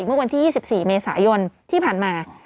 เมื่อวันที่๒๔เมษายนที่ผ่านมา